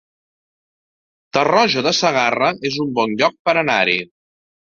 Tarroja de Segarra es un bon lloc per anar-hi